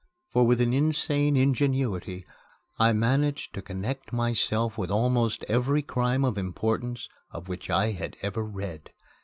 For with an insane ingenuity I managed to connect myself with almost every crime of importance of which I had ever read.